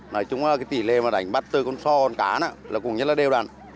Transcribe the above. nói chúng là tỉ lệ đánh bắt từ con sò con cá là cùng nhất là đều đàn